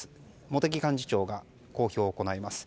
茂木幹事長が公表を行います。